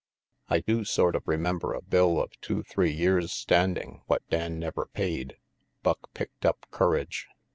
"I do sort of remember a bill of two three years standing what Dan never paid," Buck picked up courage.